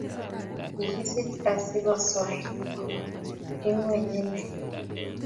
Kigisich asigosor ingweny inee